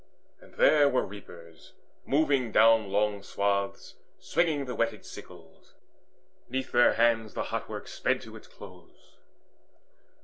And there were reapers moving down long swaths Swinging the whetted sickles: 'neath their hands The hot work sped to its close.